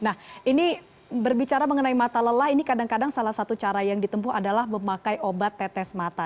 nah ini berbicara mengenai mata lelah ini kadang kadang salah satu cara yang ditempuh adalah memakai obat tetes mata